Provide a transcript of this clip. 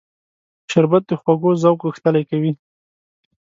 شربت د خوږو ذوق غښتلی کوي